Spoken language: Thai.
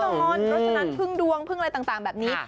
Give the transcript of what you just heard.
เพราะฉะนั้นพึ่งดวงพึ่งอะไรต่างแบบนี้